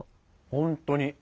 本当に。